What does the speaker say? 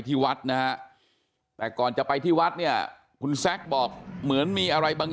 ที่วัดนะฮะแต่ก่อนจะไปที่วัดเนี่ยคุณแซคบอกเหมือนมีอะไรบางอย่าง